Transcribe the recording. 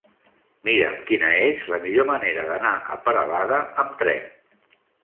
Mira'm quina és la millor manera d'anar a Peralada amb tren.